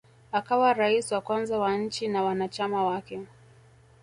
Akawa rais wa kwanza wa nchi na wanachama wake